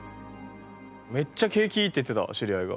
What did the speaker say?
めっちゃ景気いいって言ってた知り合いが。